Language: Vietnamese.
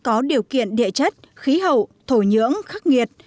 có điều kiện địa chất khí hậu thổ nhưỡng khắc nghiệt